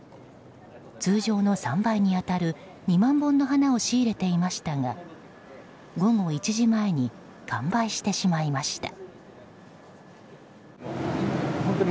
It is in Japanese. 通常の３倍に当たる２万本の花を仕入れていましたが午後１時前に完売してしまいました。